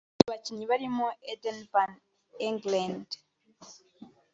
Abakinnyi barimo Adne Van Engelen